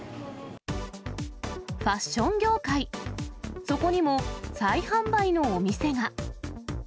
ファッション業界、そこにも再販売のお店が。